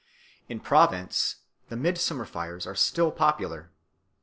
In Provence the midsummer fires are still popular.